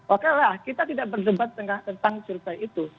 okelah kita tidak berdebat tentang surpi itu